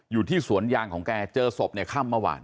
อยู่ที่สวนยางของแกเจอศพในค่ำเมื่อวาน